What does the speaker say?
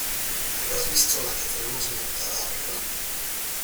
¿ pero has visto la que tenemos montada arriba?